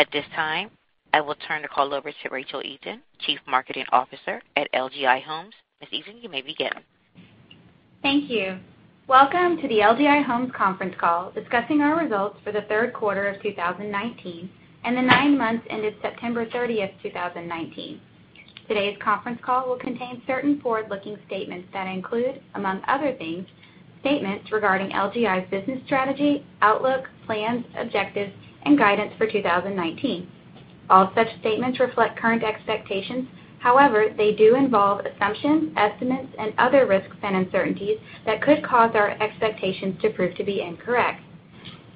At this time, I will turn the call over to Rachel Eaton, Chief Marketing Officer at LGI Homes. Ms. Eaton, you may begin. Thank you. Welcome to the LGI Homes conference call discussing our results for the third quarter of 2019 and the nine months ended September 30th, 2019. Today's conference call will contain certain forward-looking statements that include, among other things, statements regarding LGI's business strategy, outlook, plans, objectives, and guidance for 2019. All such statements reflect current expectations. However, they do involve assumptions, estimates, and other risks and uncertainties that could cause our expectations to prove to be incorrect.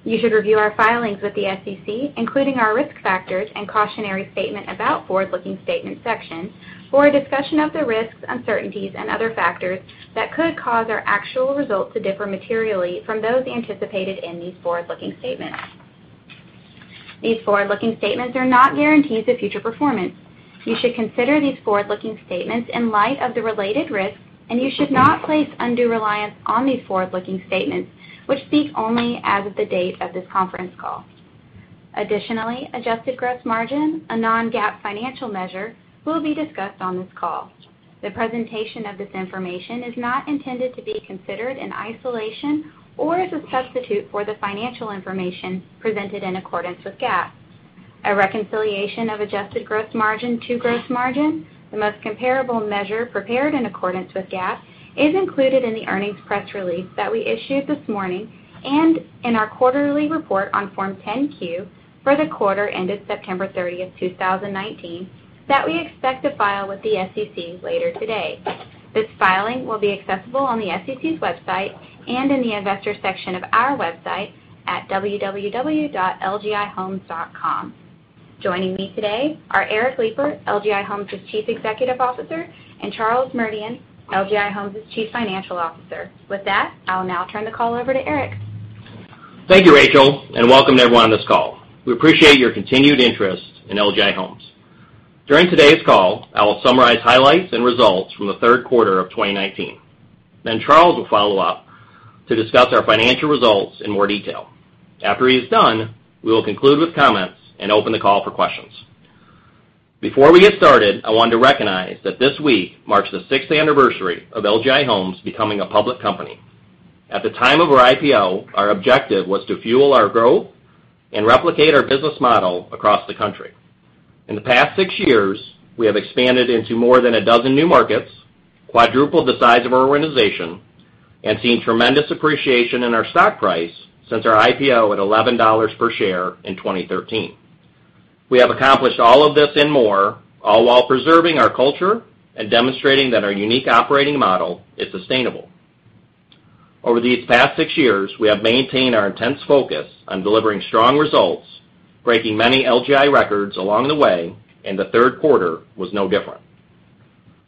You should review our filings with the SEC, including our risk factors and cautionary statement about forward-looking statements section for a discussion of the risks, uncertainties, and other factors that could cause our actual results to differ materially from those anticipated in these forward-looking statements. These forward-looking statements are not guarantees of future performance. You should consider these forward-looking statements in light of the related risks, and you should not place undue reliance on these forward-looking statements, which speak only as of the date of this conference call. Additionally, adjusted gross margin, a non-GAAP financial measure, will be discussed on this call. The presentation of this information is not intended to be considered in isolation or as a substitute for the financial information presented in accordance with GAAP. A reconciliation of adjusted gross margin to gross margin, the most comparable measure prepared in accordance with GAAP, is included in the earnings press release that we issued this morning and in our quarterly report on Form 10-Q for the quarter ended September 30th, 2019, that we expect to file with the SEC later today. This filing will be accessible on the SEC's website and in the investor section of our website at www.lgihomes.com. Joining me today are Eric Lipar, LGI Homes' Chief Executive Officer, and Charles Merdian, LGI Homes' Chief Financial Officer. With that, I will now turn the call over to Eric. Thank you, Rachel, and welcome everyone on this call. We appreciate your continued interest in LGI Homes. During today's call, I will summarize highlights and results from the third quarter of 2019. Charles will follow up to discuss our financial results in more detail. After he is done, we will conclude with comments and open the call for questions. Before we get started, I wanted to recognize that this week marks the sixth anniversary of LGI Homes becoming a public company. At the time of our IPO, our objective was to fuel our growth and replicate our business model across the country. In the past six years, we have expanded into more than a dozen new markets, quadrupled the size of our organization, and seen tremendous appreciation in our stock price since our IPO at $11 per share in 2013. We have accomplished all of this and more, all while preserving our culture and demonstrating that our unique operating model is sustainable. Over these past six years, we have maintained our intense focus on delivering strong results, breaking many LGI records along the way, and the third quarter was no different.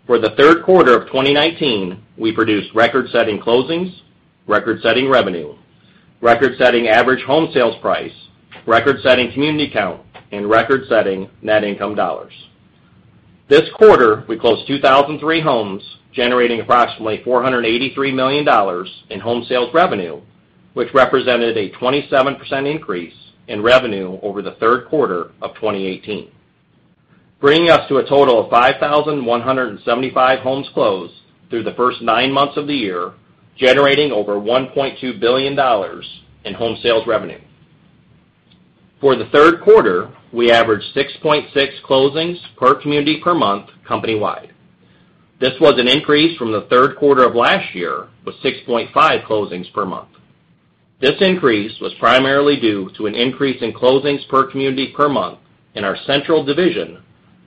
For the third quarter of 2019, we produced record-setting closings, record-setting revenue, record-setting average home sales price, record-setting community count, and record-setting net income dollars. This quarter, we closed 2,003 homes, generating approximately $483 million in home sales revenue, which represented a 27% increase in revenue over the third quarter of 2018, bringing us to a total of 5,175 homes closed through the first nine months of the year, generating over $1.2 billion in home sales revenue. For the third quarter, we averaged 6.6 closings per community per month company-wide. This was an increase from the third quarter of last year, with 6.5 closings per month. This increase was primarily due to an increase in closings per community per month in our Central Division,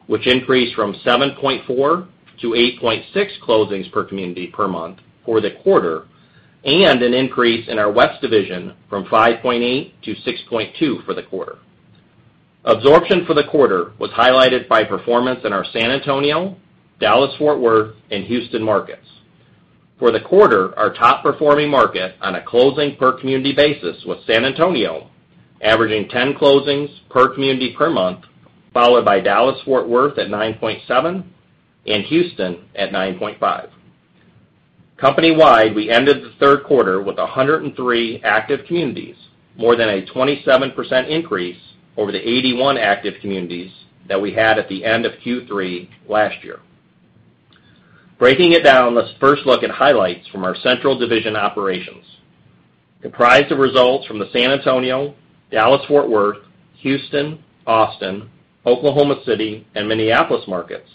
which increased from 7.4 to 8.6 closings per community per month for the quarter, and an increase in our West Division from 5.8 to 6.2 for the quarter. Absorption for the quarter was highlighted by performance in our San Antonio, Dallas-Fort Worth, and Houston markets. For the quarter, our top-performing market on a closing per community basis was San Antonio, averaging 10 closings per community per month, followed by Dallas-Fort Worth at 9.7 and Houston at 9.5. Company-wide, we ended the third quarter with 103 active communities, more than a 27% increase over the 81 active communities that we had at the end of Q3 last year. Breaking it down, let's first look at highlights from our Central division operations. Comprised of results from the San Antonio, Dallas-Fort Worth, Houston, Austin, Oklahoma City, and Minneapolis markets,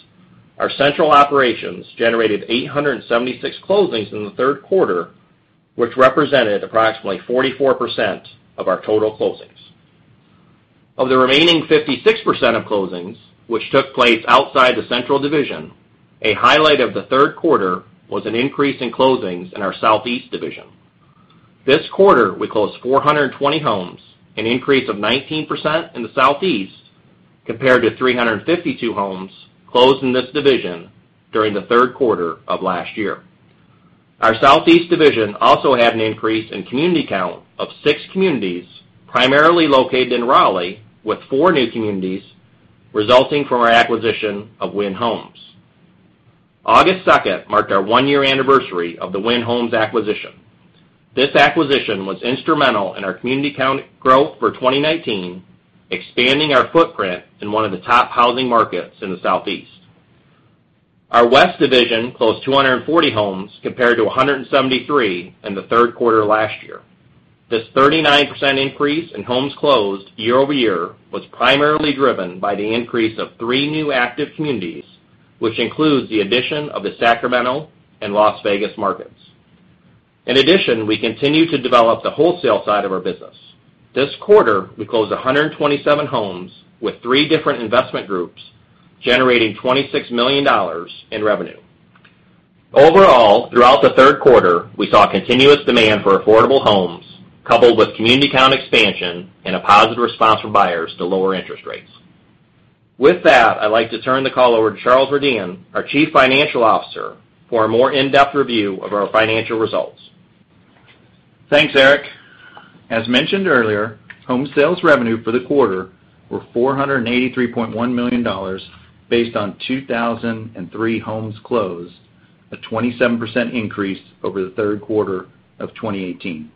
our Central operations generated 876 closings in the third quarter, which represented approximately 44% of our total closings. Of the remaining 56% of closings, which took place outside the Central division, a highlight of the third quarter was an increase in closings in our Southeast division. This quarter, we closed 420 homes, an increase of 19% in the Southeast compared to 352 homes closed in this division during the third quarter of last year. Our Southeast division also had an increase in community count of six communities, primarily located in Raleigh, with four new communities resulting from our acquisition of Wynn Homes. August 2nd marked our one-year anniversary of the Wynn Homes acquisition. This acquisition was instrumental in our community count growth for 2019, expanding our footprint in one of the top housing markets in the Southeast. Our west division closed 240 homes compared to 173 in the third quarter last year. This 39% increase in homes closed year-over-year was primarily driven by the increase of three new active communities, which includes the addition of the Sacramento and Las Vegas markets. In addition, we continue to develop the wholesale side of our business. This quarter, we closed 127 homes with three different investment groups, generating $26 million in revenue. Overall, throughout the third quarter, we saw continuous demand for affordable homes coupled with community count expansion and a positive response from buyers to lower interest rates. With that, I'd like to turn the call over to Charles Merdian, our Chief Financial Officer, for a more in-depth review of our financial results. Thanks, Eric. As mentioned earlier, home sales revenue for the quarter were $483.1 million based on 2,003 homes closed, a 27% increase over the third quarter of 2018.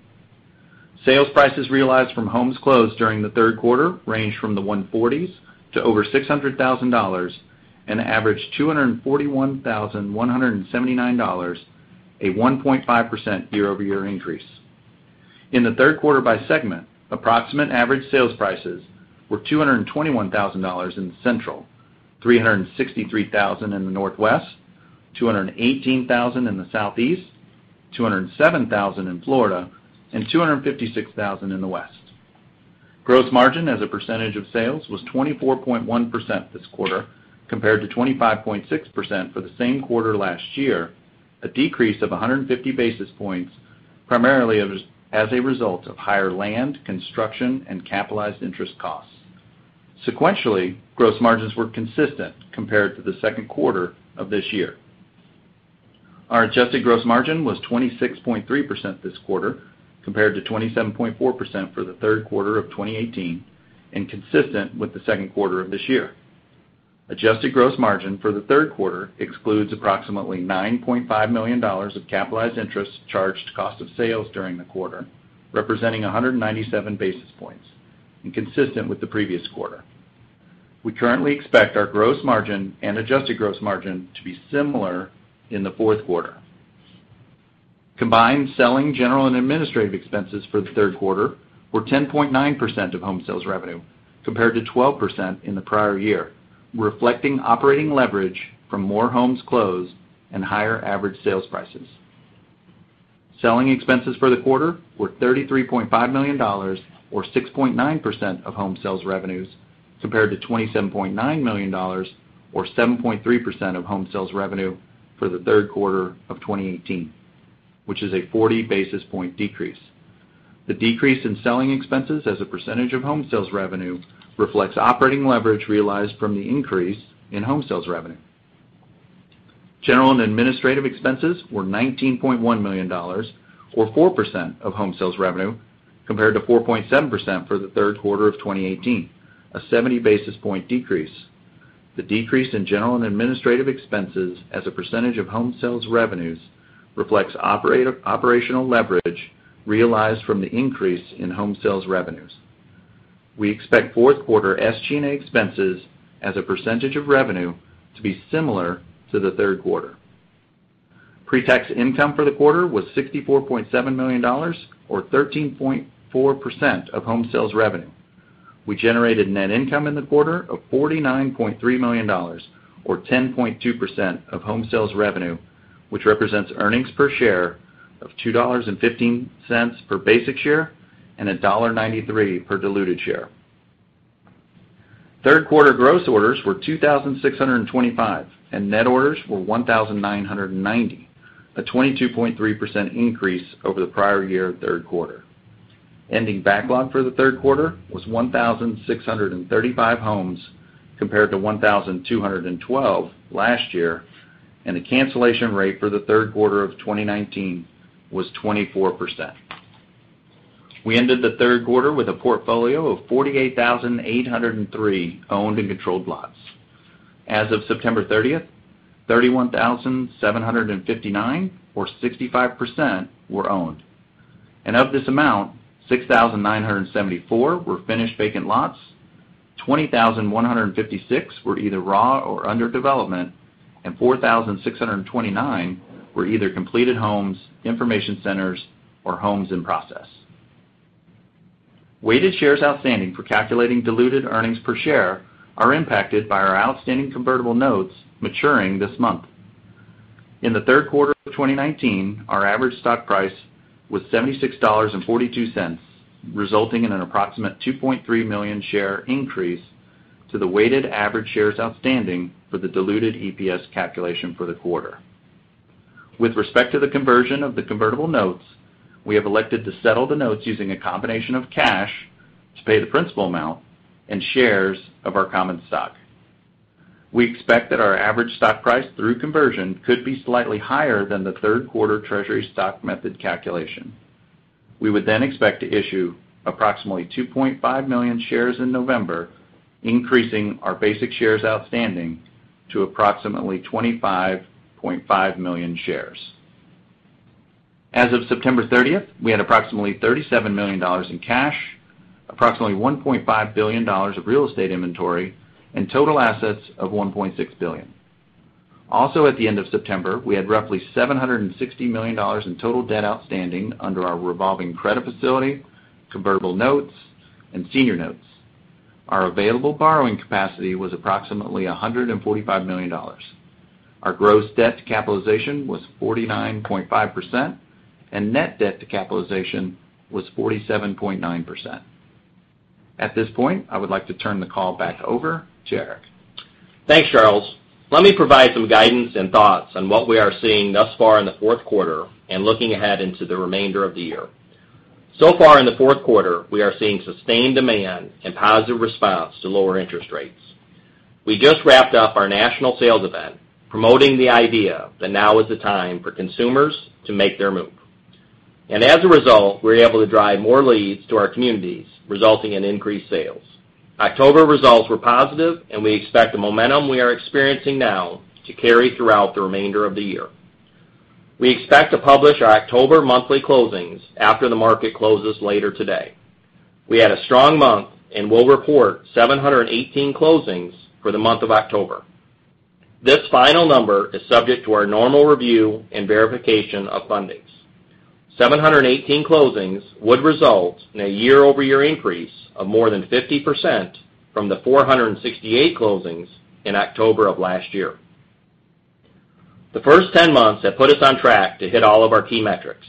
Sales prices realized from homes closed during the third quarter ranged from the 140s to over $600,000, and averaged $241,179, a 1.5% year-over-year increase. In the third quarter by segment, approximate average sales prices were $221,000 in the central, $363,000 in the Northwest, $218,000 in the Southeast, $207,000 in Florida, and $256,000 in the west. Gross margin as a percentage of sales was 24.1% this quarter, compared to 25.6% for the same quarter last year, a decrease of 150 basis points, primarily as a result of higher land, construction, and capitalized interest costs. Sequentially, gross margins were consistent compared to the second quarter of this year. Our adjusted gross margin was 26.3% this quarter, compared to 27.4% for the third quarter of 2018, and consistent with the second quarter of this year. Adjusted gross margin for the third quarter excludes approximately $9.5 million of capitalized interest charged to cost of sales during the quarter, representing 197 basis points and consistent with the previous quarter. We currently expect our gross margin and adjusted gross margin to be similar in the fourth quarter. Combined selling, general, and administrative expenses for the third quarter were 10.9% of home sales revenue, compared to 12% in the prior year, reflecting operating leverage from more homes closed and higher average sales prices. Selling expenses for the quarter were $33.5 million, or 6.9% of home sales revenues, compared to $27.9 million, or 7.3% of home sales revenue for the third quarter of 2018, which is a 40 basis point decrease. The decrease in selling expenses as a percentage of home sales revenue reflects operating leverage realized from the increase in home sales revenue. General and administrative expenses were $19.1 million, or 4% of home sales revenue, compared to 4.7% for the third quarter of 2018, a 70 basis point decrease. The decrease in general and administrative expenses as a percentage of home sales revenues reflects operational leverage realized from the increase in home sales revenues. We expect fourth quarter SGA expenses as a percentage of revenue to be similar to the third quarter. Pre-tax income for the quarter was $64.7 million, or 13.4% of home sales revenue. We generated net income in the quarter of $49.3 million, or 10.2% of home sales revenue, which represents earnings per share of $2.15 per basic share and $1.93 per diluted share. Third quarter gross orders were 2,625 and net orders were 1,990, a 22.3% increase over the prior year third quarter. Ending backlog for the third quarter was 1,635 homes, compared to 1,212 last year, and the cancellation rate for the third quarter of 2019 was 24%. We ended the third quarter with a portfolio of 48,803 owned and controlled lots. As of September 30th, 31,759, or 65%, were owned. Of this amount, 6,974 were finished vacant lots, 20,156 were either raw or under development, and 4,629 were either completed homes, information centers, or homes in process. Weighted shares outstanding for calculating diluted earnings per share are impacted by our outstanding convertible notes maturing this month. In the third quarter of 2019, our average stock price was $76.42, resulting in an approximate 2.3 million share increase to the weighted average shares outstanding for the diluted EPS calculation for the quarter. With respect to the conversion of the convertible notes, we have elected to settle the notes using a combination of cash to pay the principal amount and shares of our common stock. We expect that our average stock price through conversion could be slightly higher than the third quarter treasury stock method calculation. We would then expect to issue approximately 2.5 million shares in November, increasing our basic shares outstanding to approximately 25.5 million shares. As of September 30th, we had approximately $37 million in cash, approximately $1.5 billion of real estate inventory, and total assets of $1.6 billion. Also, at the end of September, we had roughly $760 million in total debt outstanding under our revolving credit facility, convertible notes, and senior notes. Our available borrowing capacity was approximately $145 million. Our gross debt to capitalization was 49.5%, and net debt to capitalization was 47.9%. At this point, I would like to turn the call back over to Eric. Thanks, Charles. Let me provide some guidance and thoughts on what we are seeing thus far in the fourth quarter and looking ahead into the remainder of the year. Far in the fourth quarter, we are seeing sustained demand and positive response to lower interest rates. We just wrapped up our national sales event promoting the idea that now is the time for consumers to Make Your Move. As a result, we're able to drive more leads to our communities, resulting in increased sales. October results were positive, and we expect the momentum we are experiencing now to carry throughout the remainder of the year. We expect to publish our October monthly closings after the market closes later today. We had a strong month and will report 718 closings for the month of October. This final number is subject to our normal review and verification of fundings. 718 closings would result in a year-over-year increase of more than 50% from the 468 closings in October of last year. The first 10 months have put us on track to hit all of our key metrics.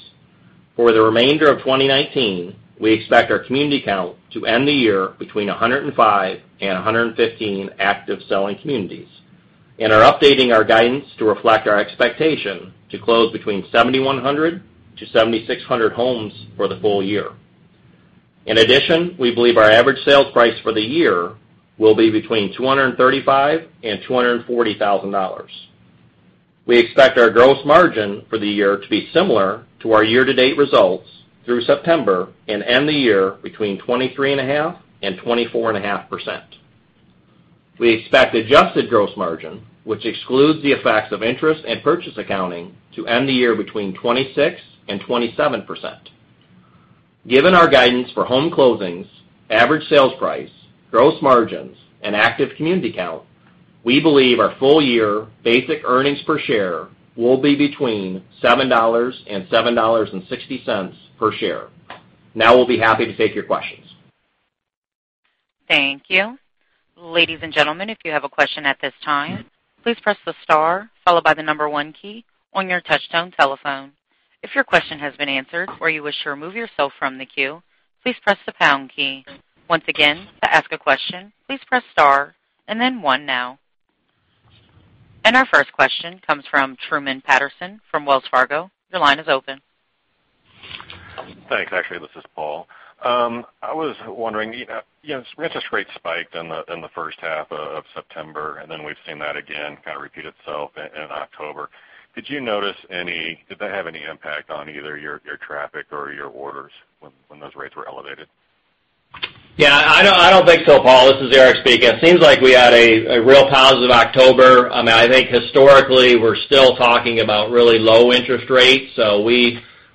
For the remainder of 2019, we expect our community count to end the year between 105 and 115 active selling communities and are updating our guidance to reflect our expectation to close between 7,100-7,600 homes for the full year. In addition, we believe our average sales price for the year will be between $235,000-$240,000. We expect our gross margin for the year to be similar to our year-to-date results through September and end the year between 23.5%-24.5%. We expect adjusted gross margin, which excludes the effects of interest and purchase accounting, to end the year between 26%-27%. Given our guidance for home closings, average sales price, gross margins, and active community count, we believe our full-year basic earnings per share will be between $7.00 and $7.60 per share. We'll be happy to take your questions. Thank you. Ladies and gentlemen, if you have a question at this time, please press the star followed by the number 1 key on your touch-tone telephone. If your question has been answered or you wish to remove yourself from the queue, please press the pound key. Once again, to ask a question, please press star and then 1 now. Our first question comes from Paul Przybylski from Wells Fargo. Your line is open. Thanks. Actually, this is Paul. I was wondering, interest rates spiked in the first half of September, and then we've seen that again kind of repeat itself in October. Did you notice any, did that have any impact on either your traffic or your orders when those rates were elevated? Yeah, I don't think so, Paul. This is Eric speaking. It seems like we had a real positive October. I think historically, we're still talking about really low interest rates.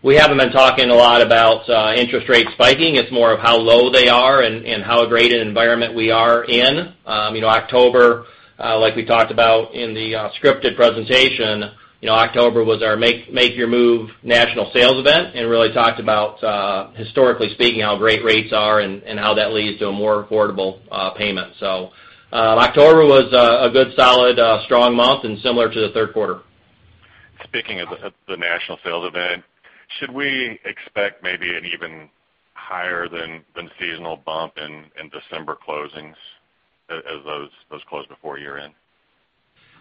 We haven't been talking a lot about interest rates spiking. It's more of how low they are and how great an environment we are in. October, like we talked about in the scripted presentation, October was our Make Your Move national sales event and really talked about, historically speaking, how great rates are and how that leads to a more affordable payment. October was a good, solid, strong month and similar to the third quarter. Speaking of the national sales event, should we expect maybe an even higher than seasonal bump in December closings as those close before year-end?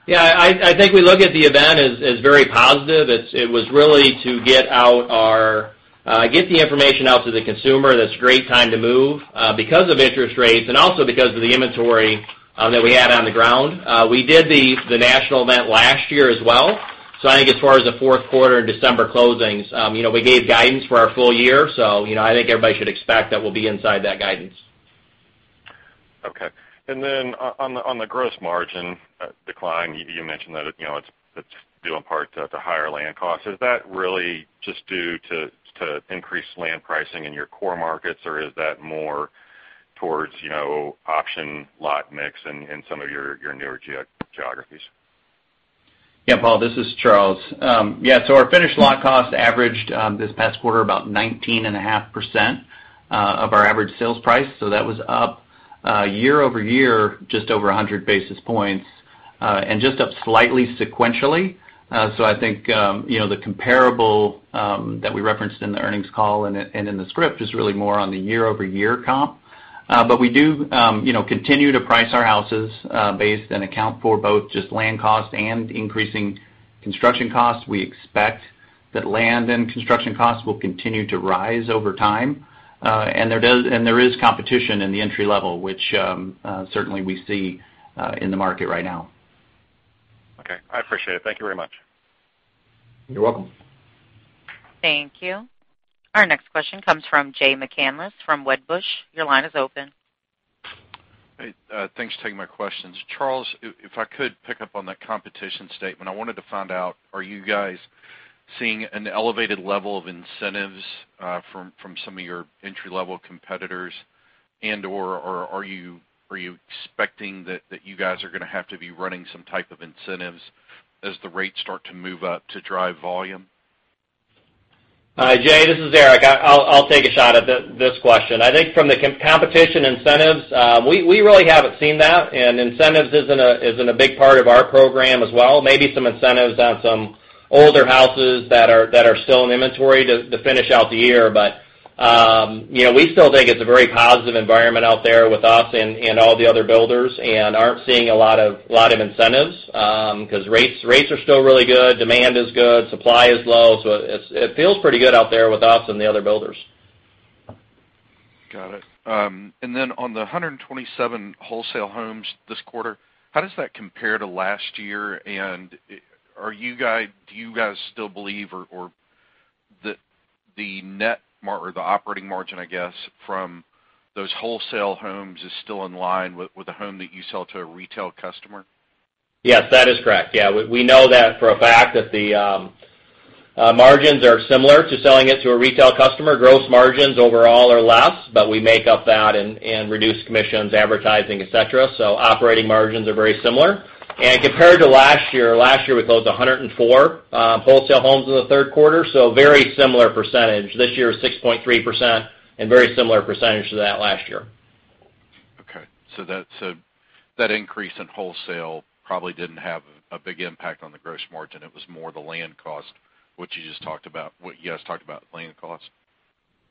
Yeah, I think we look at the event as very positive. It was really to get the information out to the consumer that it's a great time to move because of interest rates and also because of the inventory that we had on the ground. We did the national event last year as well. I think as far as the fourth quarter, December closings, we gave guidance for our full year. I think everybody should expect that we'll be inside that guidance. Okay. On the gross margin decline, you mentioned that it's due in part to higher land costs. Is that really just due to increased land pricing in your core markets, or is that more towards option lot mix in some of your newer geographies? Paul, this is Charles. Our finished lot cost averaged this past quarter about 19.5% of our average sales price. That was up year-over-year just over 100 basis points, and just up slightly sequentially. I think the comparable that we referenced in the earnings call and in the script is really more on the year-over-year comp. We do continue to price our houses based and account for both just land cost and increasing construction costs. We expect that land and construction costs will continue to rise over time. There is competition in the entry-level, which certainly we see in the market right now. Appreciate it. Thank you very much. You're welcome. Thank you. Our next question comes from Jay McCanless from Wedbush. Your line is open. Hey, thanks for taking my questions. Charles, if I could pick up on that competition statement. I wanted to find out, are you guys seeing an elevated level of incentives from some of your entry-level competitors and/or are you expecting that you guys are going to have to be running some type of incentives as the rates start to move up to drive volume? Hi, Jay, this is Eric. I'll take a shot at this question. I think from the competition incentives, we really haven't seen that, and incentives isn't a big part of our program as well. Maybe some incentives on some older houses that are still in inventory to finish out the year. We still think it's a very positive environment out there with us and all the other builders, and aren't seeing a lot of incentives, because rates are still really good, demand is good, supply is low. It feels pretty good out there with us and the other builders. Got it. On the 127 wholesale homes this quarter, how does that compare to last year? Do you guys still believe or the net or the operating margin, I guess, from those wholesale homes is still in line with a home that you sell to a retail customer? Yes, that is correct. Yeah, we know that for a fact that the margins are similar to selling it to a retail customer. Gross margins overall are less. We make up that in reduced commissions, advertising, et cetera. Operating margins are very similar. Compared to last year, we closed 104 wholesale homes in the third quarter. Very similar percentage. This year is 6.3% and very similar percentage to that last year. Okay, that increase in wholesale probably didn't have a big impact on the gross margin. It was more the land cost, what you just talked about, what you guys talked about, land costs.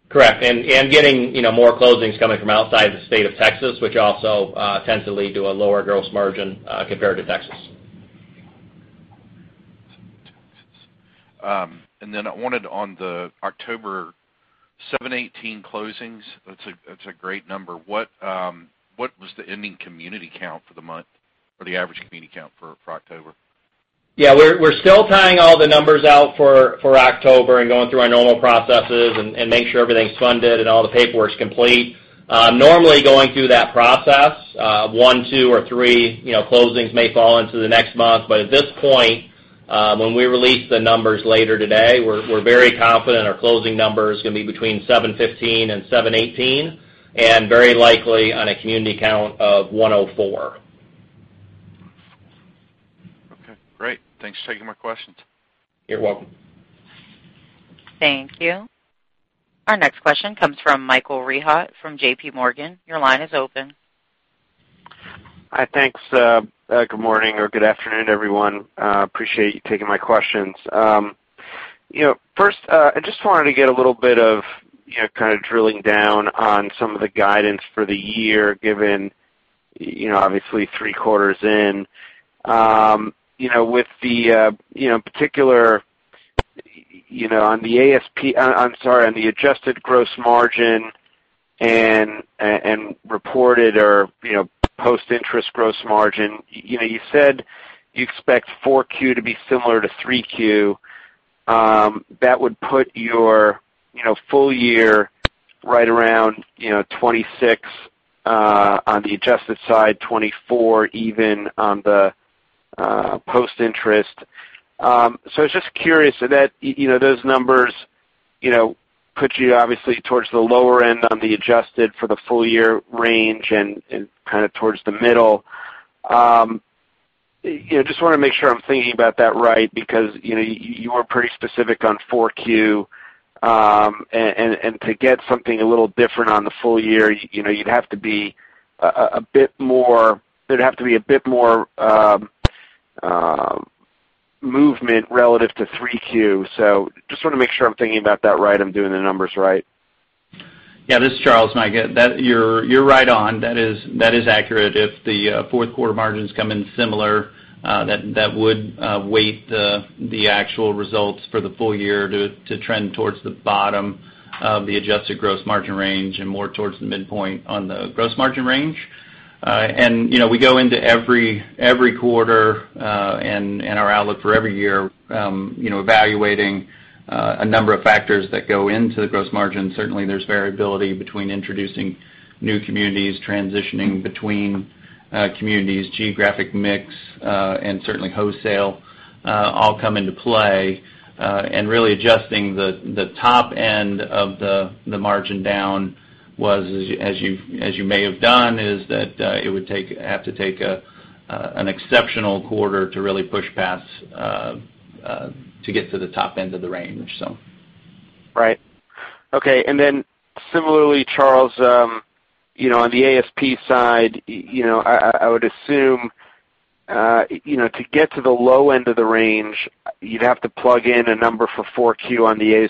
Correct. Getting more closings coming from outside the state of Texas, which also tends to lead to a lower gross margin compared to Texas. I wanted on the October 718 closings, that's a great number. What was the ending community count for the month or the average community count for October? Yeah, we're still tying all the numbers out for October and going through our normal processes and make sure everything's funded and all the paperwork's complete. Normally, going through that process, one, two, or three closings may fall into the next month. At this point, when we release the numbers later today, we're very confident our closing number is going to be between 715 and 718 and very likely on a community count of 104. Okay, great. Thanks for taking my questions. You're welcome. Thank you. Our next question comes from Michael Rehaut from J.P. Morgan. Your line is open. Hi, thanks. Good morning or good afternoon, everyone. Appreciate you taking my questions. I just wanted to get a little bit of kind of drilling down on some of the guidance for the year, given, obviously, three quarters in. With the particular on the ASP, I'm sorry, on the adjusted gross margin and reported or post-interest gross margin, you said you expect 4Q to be similar to 3Q. That would put your full year right around 26 on the adjusted side, 24 even on the post-interest. I was just curious, those numbers put you obviously towards the lower end on the adjusted for the full year range and kind of towards the middle. Just want to make sure I'm thinking about that right, because you were pretty specific on 4Q, and to get something a little different on the full year, there'd have to be a bit more movement relative to 3Q. Just want to make sure I'm thinking about that right, I'm doing the numbers right. Yeah, this is Charles. No, you're right on. That is accurate. If the fourth quarter margins come in similar, that would weight the actual results for the full year to trend towards the bottom of the adjusted gross margin range and more towards the midpoint on the gross margin range. We go into every quarter and our outlook for every year evaluating a number of factors that go into the gross margin. Certainly, there's variability between introducing new communities, transitioning between communities, geographic mix, and certainly wholesale all come into play. Really adjusting the top end of the margin down was, as you may have done, is that it would have to take an exceptional quarter to really push past to get to the top end of the range. Right. Okay, similarly, Charles, on the ASP side, I would assume, to get to the low end of the range, you'd have to plug in a number for 4Q on the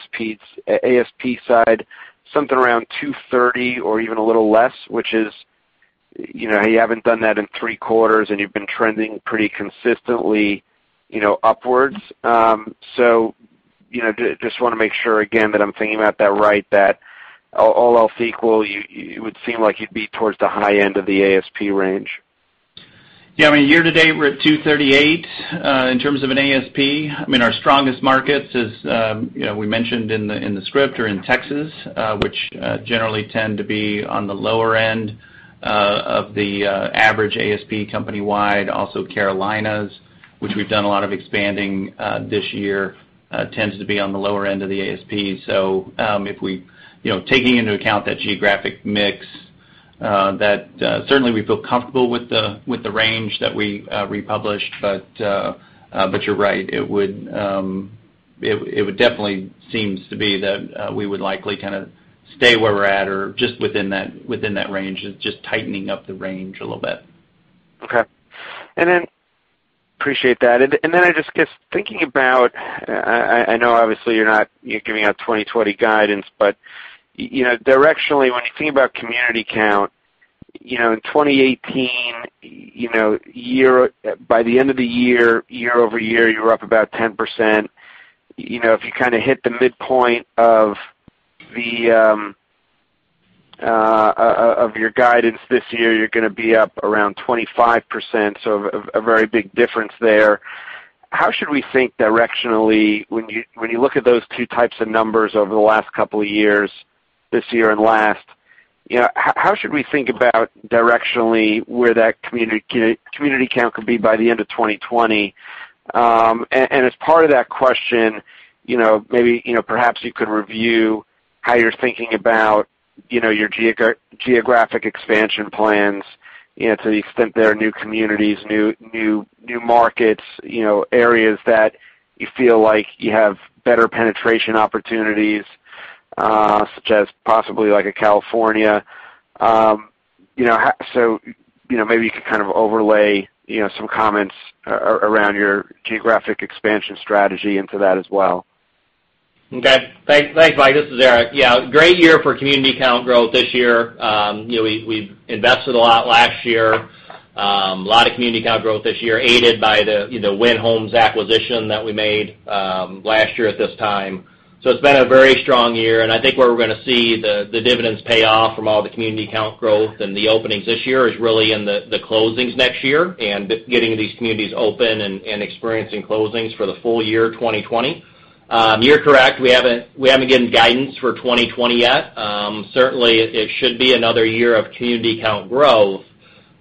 ASP side, something around $230 or even a little less, which is, you haven't done that in three quarters, and you've been trending pretty consistently upwards. Just want to make sure again that I'm thinking about that right, that all else equal, it would seem like you'd be towards the high end of the ASP range. Yeah, year-to-date we're at $238 in terms of an ASP. Our strongest markets, as we mentioned in the script, are in Texas, which generally tend to be on the lower end of the average ASP company-wide. Carolinas, which we've done a lot of expanding this year, tends to be on the lower end of the ASP. Taking into account that geographic mix, certainly we feel comfortable with the range that we republished. You're right, it would definitely seems to be that we would likely kind of stay where we're at or just within that range. It's just tightening up the range a little bit. Okay. Appreciate that. I just guess thinking about, I know obviously you're not giving out 2020 guidance, but directionally, when you think about community count, in 2018, by the end of the year-over-year, you were up about 10%. If you hit the midpoint of your guidance this year, you're going to be up around 25%, so a very big difference there. How should we think directionally when you look at those 2 types of numbers over the last couple of years, this year and last, how should we think about directionally where that community count could be by the end of 2020? As part of that question, maybe perhaps you could review how you're thinking about your geographic expansion plans to the extent there are new communities, new markets, areas that you feel like you have better penetration opportunities, such as possibly like a California. Maybe you could kind of overlay some comments around your geographic expansion strategy into that as well. Okay. Thanks, Mike. This is Eric. Great year for community count growth this year. We've invested a lot last year. A lot of community count growth this year, aided by the Wynn Homes acquisition that we made last year at this time. It's been a very strong year, and I think where we're going to see the dividends pay off from all the community count growth and the openings this year is really in the closings next year and getting these communities open and experiencing closings for the full year 2020. You're correct, we haven't given guidance for 2020 yet. Certainly, it should be another year of community count growth,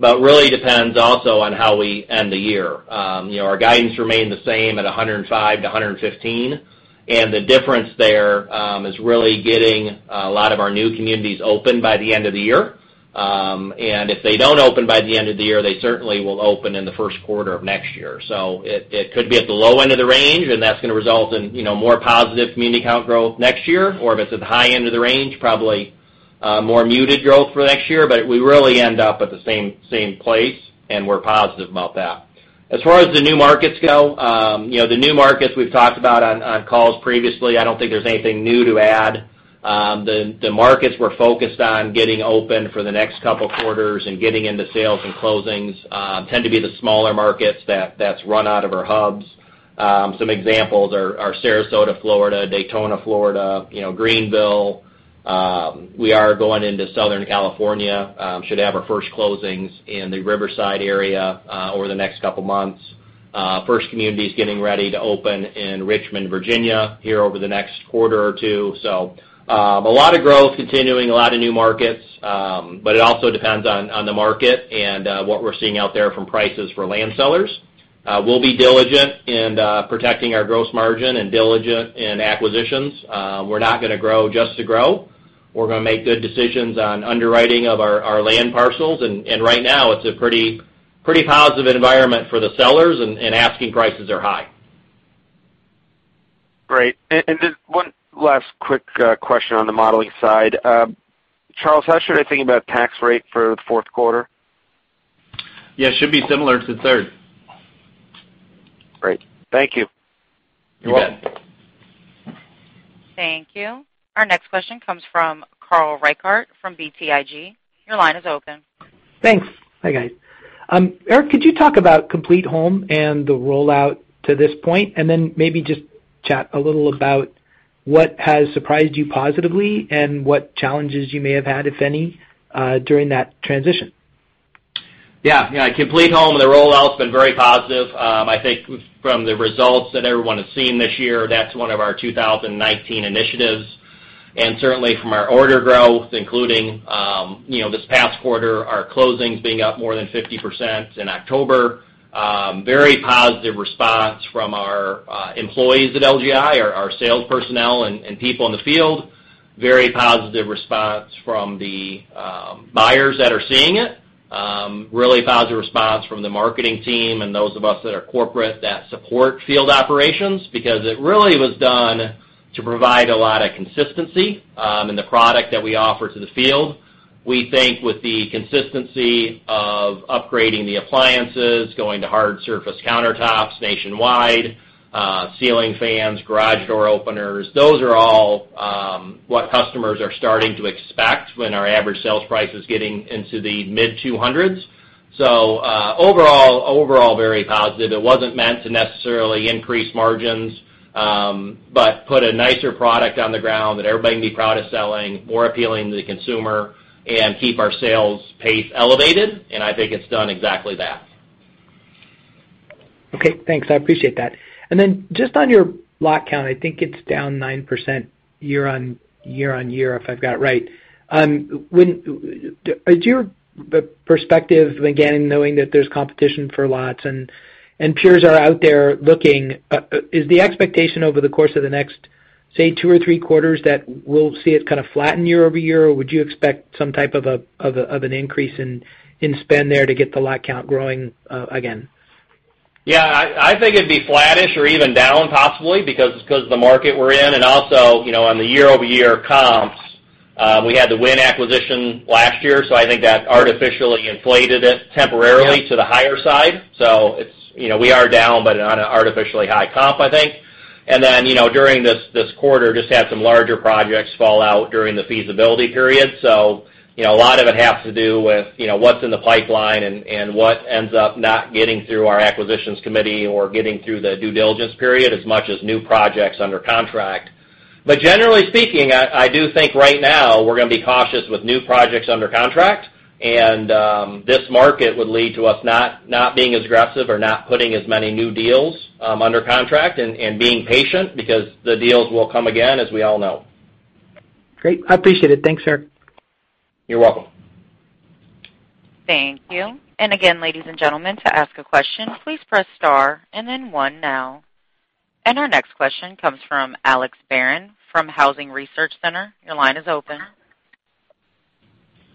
but really depends also on how we end the year. Our guidance remained the same at 105 to 115, the difference there is really getting a lot of our new communities open by the end of the year. If they don't open by the end of the year, they certainly will open in the first quarter of next year. It could be at the low end of the range, and that's going to result in more positive community count growth next year, or if it's at the high end of the range, probably more muted growth for next year. We really end up at the same place, and we're positive about that. As far as the new markets go, the new markets we've talked about on calls previously, I don't think there's anything new to add. The markets we're focused on getting open for the next couple of quarters and getting into sales and closings tend to be the smaller markets that's run out of our hubs. Some examples are Sarasota, Florida, Daytona, Florida, Greenville. We are going into Southern California, should have our first closings in the Riverside area over the next couple of months. First community is getting ready to open in Richmond, Virginia, here over the next quarter or two. A lot of growth continuing, a lot of new markets, but it also depends on the market and what we're seeing out there from prices for land sellers. We'll be diligent in protecting our gross margin and diligent in acquisitions. We're not going to grow just to grow. We're going to make good decisions on underwriting of our land parcels. Right now it's a pretty positive environment for the sellers, and asking prices are high. Great. Just one last quick question on the modeling side. Charles, how should I think about tax rate for the fourth quarter? Yeah, it should be similar to third. Great. Thank you. You're welcome. Thank you. Our next question comes from Carl Reichardt from BTIG. Your line is open. Thanks. Hi, guys. Eric, could you talk about CompleteHome and the rollout to this point, and then maybe just chat a little about what has surprised you positively and what challenges you may have had, if any, during that transition? Yeah. CompleteHome, the rollout's been very positive. I think from the results that everyone has seen this year, that's one of our 2019 initiatives, and certainly from our order growth, including this past quarter, our closings being up more than 50% in October. Very positive response from our employees at LGI, our sales personnel, and people in the field. Very positive response from the buyers that are seeing it. Really positive response from the marketing team and those of us that are corporate that support field operations, because it really was done to provide a lot of consistency in the product that we offer to the field. We think with the consistency of upgrading the appliances, going to hard surface countertops nationwide, ceiling fans, garage door openers, those are all what customers are starting to expect when our average sales price is getting into the mid-$200s. Overall, very positive. It wasn't meant to necessarily increase margins, but put a nicer product on the ground that everybody can be proud of selling, more appealing to the consumer, and keep our sales pace elevated. I think it's done exactly that. Okay, thanks. I appreciate that. Then just on your lot count, I think it's down 9% year-on-year if I've got it right. Would your perspective, again, knowing that there's competition for lots and peers are out there looking, is the expectation over the course of the next, say, two or three quarters that we'll see it kind of flatten year-over-year, or would you expect some type of an increase in spend there to get the lot count growing again? Yeah, I think it'd be flattish or even down possibly because of the market we're in. On the year-over-year comps, we had the Wynn acquisition last year. I think that artificially inflated it temporarily to the higher side. We are down, but on an artificially high comp, I think. During this quarter, just had some larger projects fall out during the feasibility period. A lot of it has to do with what's in the pipeline and what ends up not getting through our acquisitions committee or getting through the due diligence period as much as new projects under contract. Generally speaking, I do think right now we're going to be cautious with new projects under contract. This market would lead to us not being as aggressive or not putting as many new deals under contract and being patient because the deals will come again, as we all know. Great. I appreciate it. Thanks, sir. You're welcome. Thank you. Again, ladies and gentlemen, to ask a question, please press star and then one now. Our next question comes from Alex Barron from Housing Research Center. Your line is open.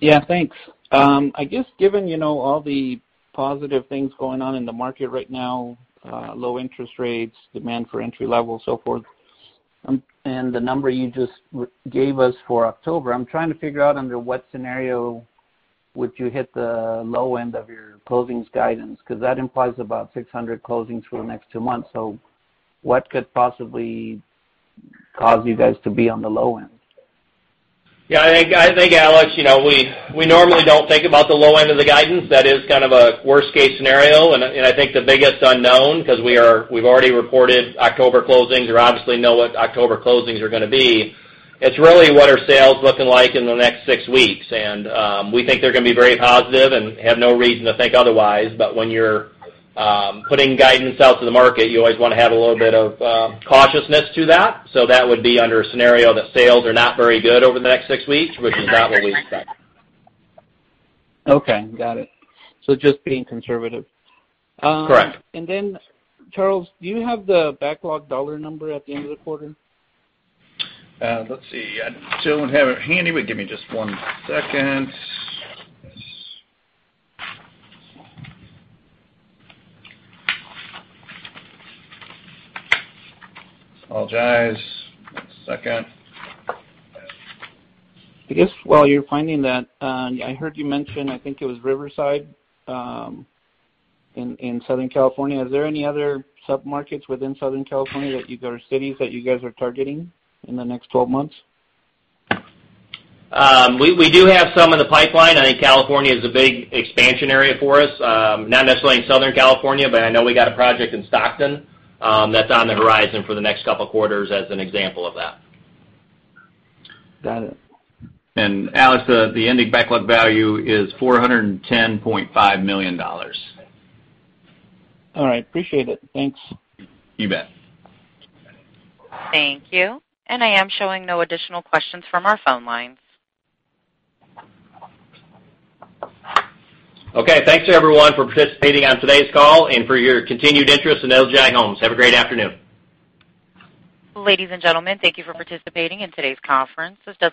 Yeah, thanks. I guess given all the positive things going on in the market right now, low interest rates, demand for entry level, so forth, and the number you just gave us for October, I'm trying to figure out under what scenario would you hit the low end of your closings guidance, because that implies about 600 closings for the next two months. What could possibly cause you guys to be on the low end? Yeah, I think, Alex, we normally don't think about the low end of the guidance. That is kind of a worst-case scenario and I think the biggest unknown, because we've already reported October closings or obviously know what October closings are going to be. It's really what are sales looking like in the next six weeks. We think they're going to be very positive and have no reason to think otherwise. When you're putting guidance out to the market, you always want to have a little bit of cautiousness to that. That would be under a scenario that sales are not very good over the next six weeks, which is not what we expect. Okay, got it. Just being conservative. Correct. Charles, do you have the backlog dollar number at the end of the quarter? Let's see. I don't have it handy, but give me just one second. Apologize, one second. I guess while you're finding that, I heard you mention, I think it was Riverside, in Southern California. Is there any other sub-markets within Southern California that you guys, or cities that you guys are targeting in the next 12 months? We do have some in the pipeline. I think California is a big expansion area for us. Not necessarily in Southern California, but I know we got a project in Stockton that's on the horizon for the next couple quarters as an example of that. Got it. Alex, the ending backlog value is $410.5 million. All right. Appreciate it. Thanks. You bet. Thank you. I am showing no additional questions from our phone lines. Okay, thanks everyone for participating on today's call and for your continued interest in LGI Homes. Have a great afternoon. Ladies and gentlemen, thank you for participating in today's conference. This does